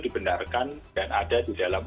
dibenarkan dan ada di dalam